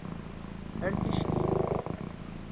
Ar ticki.